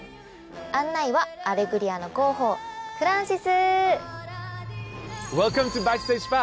案内は『アレグリア』の広報フランシス！